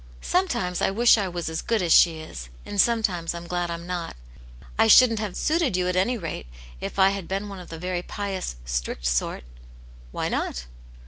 Sometimes I wish I was as good as she is, and sometimes I'm glad I'm not. I shouldn't have suited you at any rate if I had been one pf the very pious, strict sort" '' Why not